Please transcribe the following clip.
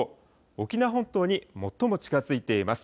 沖縄本島に最も近づいています。